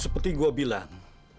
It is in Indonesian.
seperti gue bilang